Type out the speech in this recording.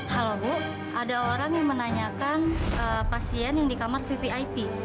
halo bu ada orang yang menanyakan pasien yang di kamar vvip